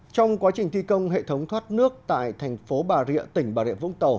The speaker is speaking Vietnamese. trong quá trình thi công hệ thống thoát nước tại thành phố bà rịa tỉnh bà rệ vũng tàu